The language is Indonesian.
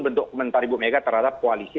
bentuk komentar ibu mega terhadap koalisi